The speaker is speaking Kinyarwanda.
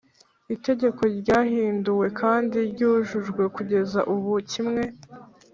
Itegeko ryahinduwe kandi ryujujwe kugeza ubu kimwe